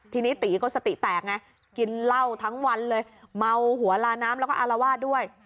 ทีนี้ตีก็สติแตกไงกินเหล้าทั้งวันเลยเมาหัวลาน้ำแล้วก็อารวาสด้วย